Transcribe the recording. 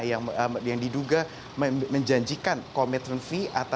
yang diduga menjanjikan komitmen fee